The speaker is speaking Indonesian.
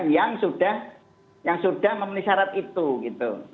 yang sudah memenuhi syarat itu gitu